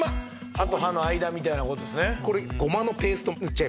歯と歯の間みたいな事ですね。